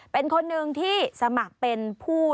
เป็นคนหนึ่งที่สมัครเป็นผู้